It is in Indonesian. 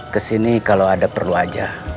kesini kalau ada perlu aja